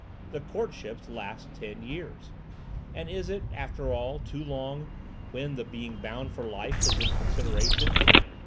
The courtships last ten years! And is it, after all, too long, when the being bound for life is in consideration?